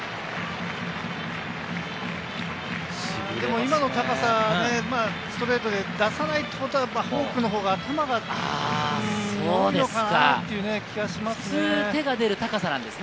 今の高さをストレートで出さないということは、フォークのほうがいいのかなという気がしますね。